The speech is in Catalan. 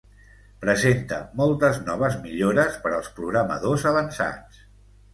Presenta moltes noves millores per als programadors avançats.